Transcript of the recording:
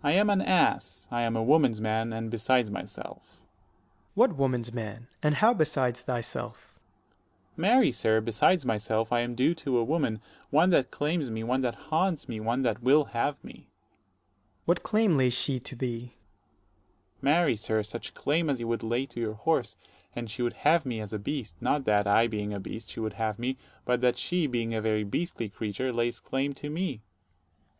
Dro. S. I am an ass, I am a woman's man, and besides myself. Ant. S. What woman's man? and how besides thyself? Dro. S. Marry, sir, besides myself, I am due to a 80 woman; one that claims me, one that haunts me, one that will have me. Ant. S. What claim lays she to thee? Dro. S. Marry, sir, such claim as you would lay to your horse; and she would have me as a beast: not that, 85 I being a beast, she would have me; but that she, being a very beastly creature, lays claim to me.